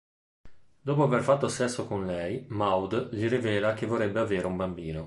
Dopo aver fatto sesso con lei, Maude gli rivela che vorrebbe avere un bambino.